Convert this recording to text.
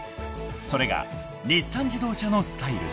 ［それが日産自動車のスタイル］